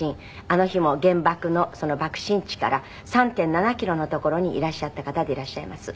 あの日も原爆の爆心地から３．７キロの所にいらっしゃった方でいらっしゃいます。